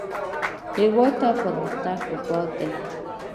هېواد ته پرمختګ پکار دی